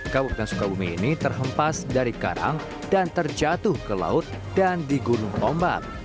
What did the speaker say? kabupaten sukabumi ini terhempas dari karang dan terjatuh ke laut dan di gunung ombak